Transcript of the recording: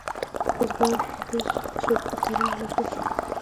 بزګران په شدیدو کارونو لګیا شول.